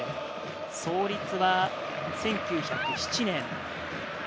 創立は１９０７年。